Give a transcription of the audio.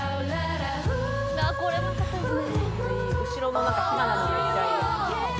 あっこれもよかったですね。